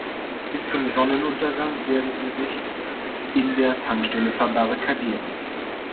Bis zum Sonnenuntergang werden sie sich in der Tankstelle verbarrikadieren.